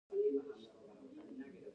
صفایي او ساتنې ته پاملرنه نه وه شوې.